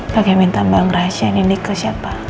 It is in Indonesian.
pak yang minta bank rahasia ini ke siapa